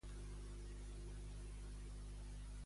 Va aparèixer en sèries televisives, l'Ester?